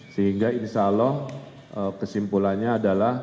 sehingga insya allah kesimpulannya ada di jawa barat